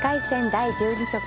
第１２局。